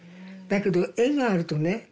だけど絵があるとね